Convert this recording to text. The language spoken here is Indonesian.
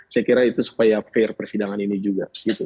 saya kira itu supaya fair persidangan ini juga